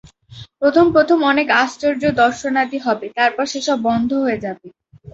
প্রথম প্রথম অনেক আশ্চর্য দর্শনাদি হবে, তারপর সে-সব বন্ধ হয়ে যাবে।